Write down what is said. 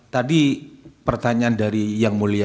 tadi pertanyaan dari yang mulia